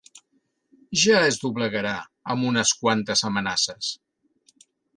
Ja es doblegarà, amb unes quantes amenaces!